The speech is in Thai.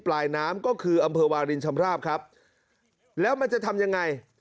ปลายน้ำก็คืออำเภอวาลินชำราบครับแล้วมันจะทำยังไง